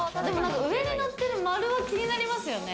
上にのってる丸は気になりますよね。